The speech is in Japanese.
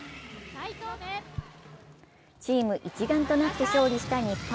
チーム一丸となって勝利した日本。